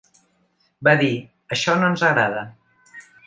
Va dir: Això no ens agrada.